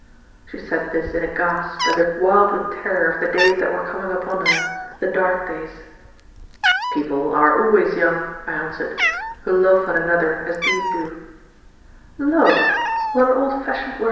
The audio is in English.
She said this in a gasp, as if wild with terror of the days that were coming upon her the dark days. "People are always young," I answered, "who love one another as these do." "Love! what an old fashioned word.